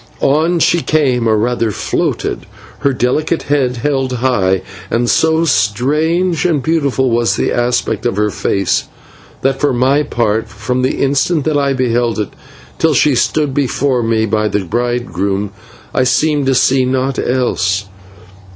On she came, or rather floated, her delicate head held high; and so strange and beautiful was the aspect of her face, that for my part, from the instant that I beheld it till she stood before me by the bridegroom, I seemed to see naught else.